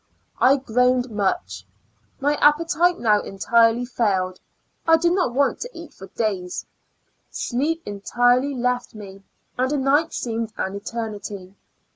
I groaned much ; my appetite now entirely failed ; I did not want to eat for days. Sleep entirely left me, and a night seemed an eternity.